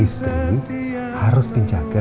istri harus dijaga